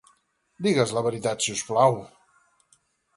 Digues la veritat, si us plau!